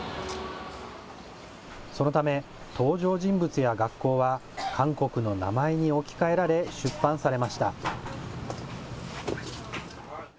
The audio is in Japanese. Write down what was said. そのため、登場人物や学校は、韓国の名前に置き換えられ出版されました。